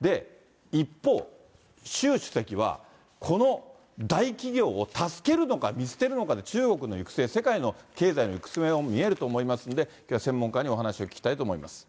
で、一方、習主席はこの大企業を助けるのか見捨てるのかで、中国の行く末、世界経済の行く末も見えると思いますんで、きょうは専門家にお話を聞きたいと思います。